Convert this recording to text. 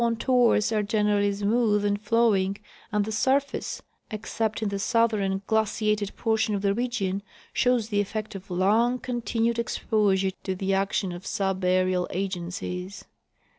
contours are generally smooth and flowing, and the surface, excei3t in the southern and glaciated portion of the region, shows the effect of long continued exposure to the action of subaerial "agencies.